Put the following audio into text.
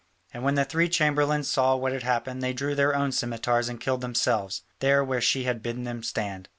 And when the three chamberlains saw what had happened they drew their own scimitars and killed themselves, there where she had bidden them stand.